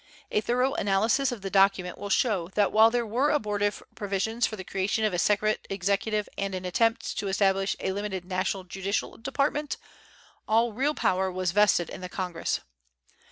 A thorough analysis of the document will show that while there were abortive provisions for the creation of a separate executive and an attempt to establish a limited national judicial department, all real power was vested in the Congress.